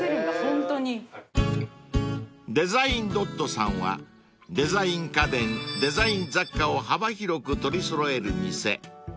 ［ＤＥＳＩＧＮ．さんはデザイン家電デザイン雑貨を幅広く取り揃える店］